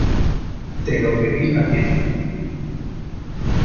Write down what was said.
¡ Te lo pedí en la tienda !